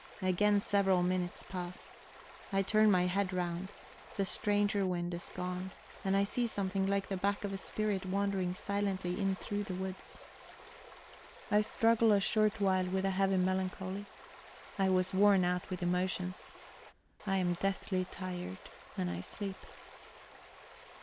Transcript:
Again several minutes pass. I turn my head round; the stranger wind is gone, and I see something like the back of a spirit wandering silently in through the woods... I struggle a short while with a heavy melancholy; I was worn out with emotions; I am deathly tired, and I sleep.